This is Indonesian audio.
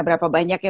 berapa banyak ya